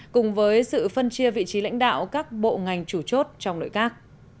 cùng với sự phân chia vị trí lãnh đạo các bộ ngành chủ chốt trong nội các